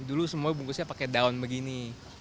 dulu semua bungkusnya pakai daun begini